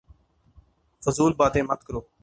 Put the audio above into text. فضول باتیں مت کرو